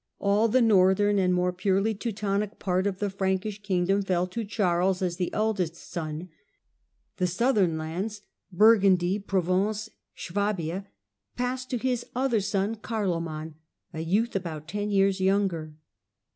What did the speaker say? All the northern and more purely Teu tonic part of the Frankish kingdom fell to Charles as the eldest son ; the southern lands — Burgundy, Provence, Suabia — passed to his other son, Carloman, a youth about ten years younger.